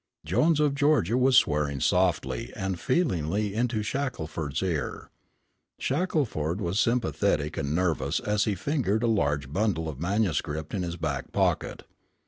Jones of Georgia was swearing softly and feelingly into Shackelford's ear. Shackelford was sympathetic and nervous as he fingered a large bundle of manuscript in his back pocket.